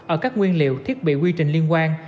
ở các nguyên liệu thiết bị quy trình liên quan